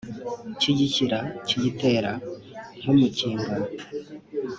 kiyishyira kiyitera nk umukinga